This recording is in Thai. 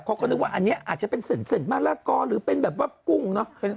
เขาก็นึกว่าอันนี้อาจจะเป็นเส้นมะละกอหรือเป็นแบบว่ากุ้งเนอะ